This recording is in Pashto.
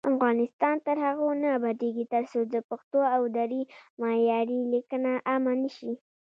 افغانستان تر هغو نه ابادیږي، ترڅو د پښتو او دري معیاري لیکنه عامه نشي.